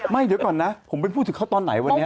ไม่เดี๋ยวก่อนนะผมไปพูดถึงเขาตอนไหนวันนี้